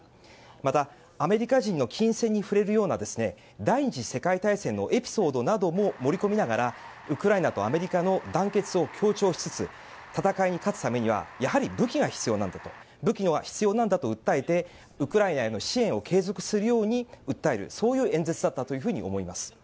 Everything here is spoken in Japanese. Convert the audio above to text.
また、アメリカ人の琴線に触れるような第２次世界大戦のエピソードなども盛り込みながらウクライナとアメリカの団結を強調しつつ戦いに勝つためにはやはり武器が必要なんだと訴えてウクライナへの支援を継続するように訴えるそういう演説だったと思います。